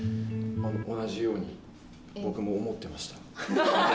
同じように僕も思ってました。